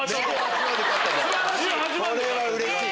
これはうれしい！